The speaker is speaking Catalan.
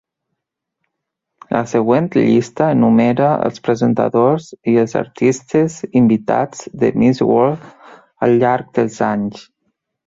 La següent llista enumera els presentadors i els artistes invitats de Miss World al llarg dels anys.